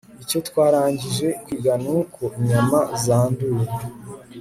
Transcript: icyo twarangije kwiga nuko inyama zanduye